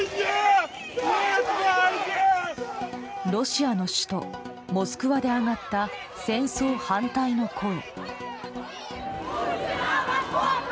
ロシアの首都モスクワで上がった戦争反対の声。